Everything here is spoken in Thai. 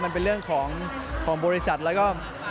มันเป็นเรื่องของบริษัทแล้วก็